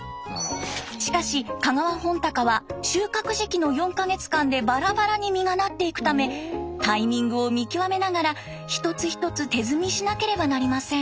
しかし香川本鷹は収穫時期の４か月間でバラバラに実がなっていくためタイミングを見極めながら一つ一つ手摘みしなければなりません。